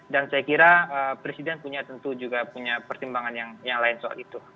dan saya kira presiden tentu juga punya pertimbangan yang lain soal itu